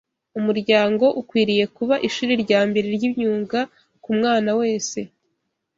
Umuryango ukwiriye kuba ishuri rya mbere ry’imyuga ku mwana wese